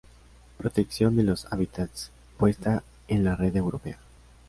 Protección de los hábitats, puesta en la red europea.